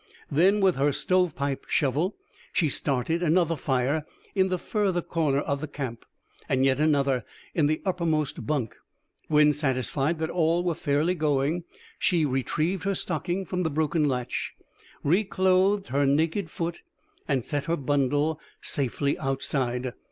Then, with her stove pipe shovel, she started another fire in the further corner of the camp, and yet another in the uppermost bunk. When satisfied that all were fairly going, she retrieved her stocking from the broken latch, reclothed her naked foot and set her bundle safely outside.